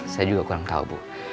saya juga kurang tahu